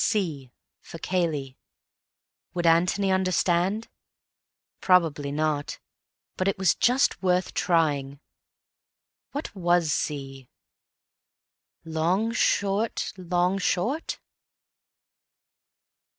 C for Cayley. Would Antony understand? Probably not, but it was just worth trying. What was C? Long, short, long, short.